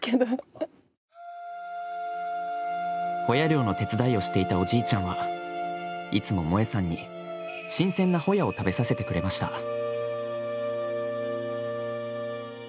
ホヤ漁の手伝いをしていたおじいちゃんはいつも萌江さんに新鮮なホヤを食べさせてくれました。